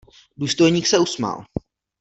Důstojník se usmál.